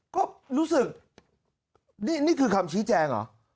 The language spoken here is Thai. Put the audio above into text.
ก็รู้สึกนี่คือคำชี้แจงเหรอ